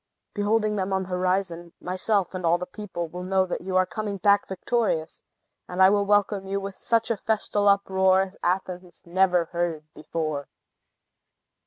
Beholding them on the horizon, myself and all the people will know that you are coming back victorious, and will welcome you with such a festal uproar as Athens never heard before."